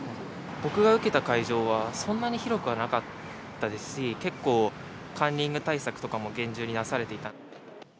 僕が受けた会場は、そんなに広くはなかったですし、結構、カンニング対策とかも厳重になされていた。